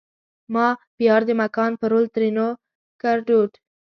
ما پیار دې مکان پرول؛ ترينو کړدود